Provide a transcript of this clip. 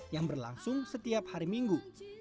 yang berlangsung setiap hari minggu